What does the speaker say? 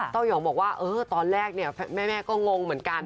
ยองบอกว่าตอนแรกเนี่ยแม่ก็งงเหมือนกัน